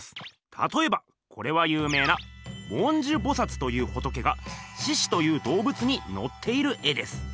たとえばこれは有名な文殊菩薩という仏が獅子という動物にのっている絵です。